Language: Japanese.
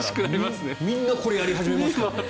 みんなこれをやり始めますから。